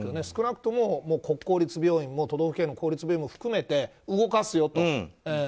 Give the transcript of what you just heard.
少なくとも国公立病院も都道府県の公立病院も含めて動かすよと。